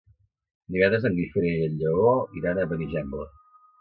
Divendres en Guifré i en Lleó iran a Benigembla.